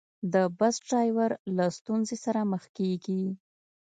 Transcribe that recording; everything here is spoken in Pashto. د بس ډریور له ستونزې سره مخ کېږي.